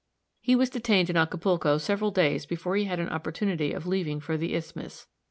He was detained in Acapulco several days before he had an opportunity of leaving for the isthmus.